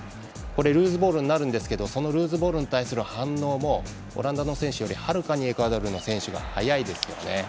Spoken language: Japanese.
ルーズボールになるんですがそのルーズボールに対する反応もオランダの選手よりはるかにエクアドルの選手の方が早いですよね。